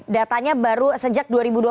datanya baru sejak dua ribu dua puluh